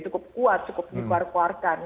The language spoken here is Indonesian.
cukup kuat cukup dikeluarkan